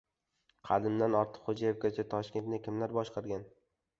Qadimdan Ortiqxo‘jayevgacha: Toshkentni kimlar boshqargan?